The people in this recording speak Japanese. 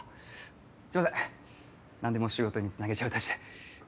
すいません何でも仕事につなげちゃうたちで。